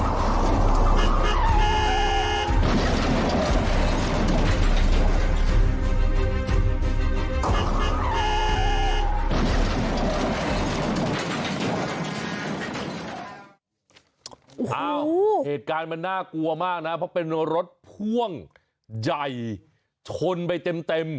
เหตุการณ์มันน่ากลัวมากนะเพราะเป็นรถพ่วงใหญ่ชนไปเต็ม